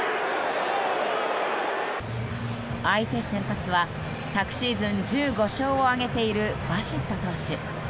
相手先発は、昨シーズン１５勝を挙げているバシット投手。